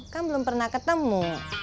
kan belum pernah ketemu